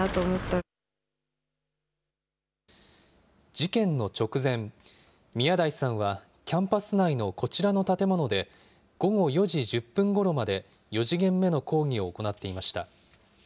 事件の直前、宮台さんはキャンパス内のこちらの建物で、午後４時１０分ごろまで４時限目の講義を行っていました。